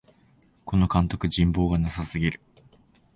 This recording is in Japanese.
この監督、人望がなさすぎる